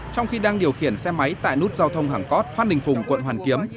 trong khi đang điều khiển xe máy tại nút giao thông hàng cót phát ninh phùng quận hoàn kiếm